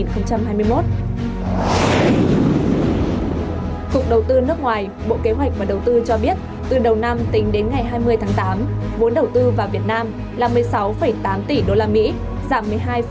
cục đầu tư nước ngoài bộ kế hoạch và đầu tư cho biết từ đầu năm tính đến ngày hai mươi tháng tám vốn đầu tư vào việt nam là một mươi sáu tám tỷ usd